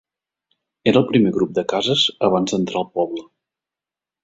Era el primer grup de cases abans d'entrar al poble.